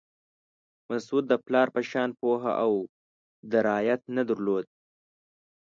مسعود د پلار په شان پوهه او درایت نه درلود.